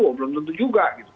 wah belum tentu juga gitu